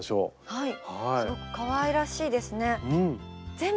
はい。